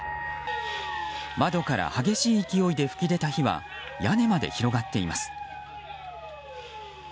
窓から激しい勢いで噴き出た火は屋根まで広がっています。